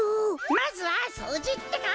まずはそうじってか。